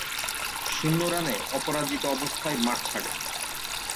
শূন্য রানে অপরাজিত অবস্থায় মাঠ ছাড়েন।